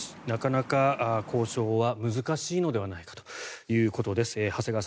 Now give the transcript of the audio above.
なかなか交渉は難しいのではないかということです。